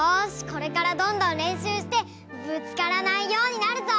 これからどんどんれんしゅうしてぶつからないようになるぞ！